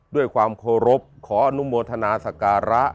ด้วยความเคารพขออนุโมทนาสการะ